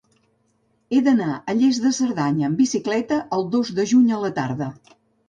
He d'anar a Lles de Cerdanya amb bicicleta el dos de juny a la tarda.